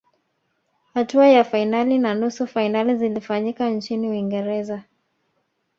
hatua ya fainali na nusu fainali zilifanyika nchini uingereza